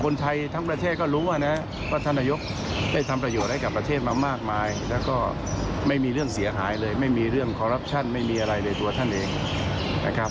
แล้วก็ไม่มีเรื่องเสียหายเลยไม่มีเรื่องคอรัปชั่นไม่มีอะไรในตัวท่านเองนะครับ